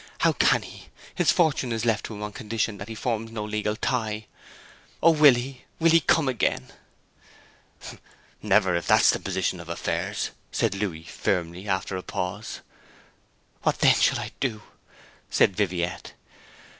How can he? His fortune is left him on condition that he forms no legal tie. O will he will he, come again?' 'Never, if that's the position of affairs,' said Louis firmly, after a pause. 'What then shall I do?' said Viviette.